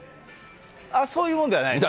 そういうものではないです。